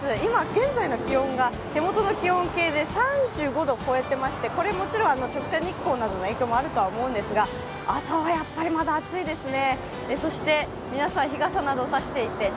現在の気温が、手元の気温計で３５度を超えていましてこれもちろん直射日光などの影響もあると思うんですが、朝はやっぱりまだ暑いですね。